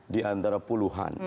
di antara puluhan